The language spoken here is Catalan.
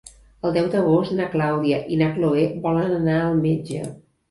El deu d'agost na Clàudia i na Cloè volen anar al metge.